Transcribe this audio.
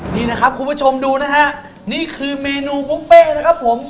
นี่นะครับคุณผู้ชมดูนะฮะนี่คือเมนูบุฟเฟ่นะครับผม